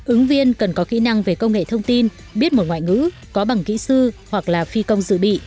ứng viên cần có kỹ năng về công nghệ thông tin biết một ngoại ngữ có bằng kỹ sư hoặc là phi công dự bị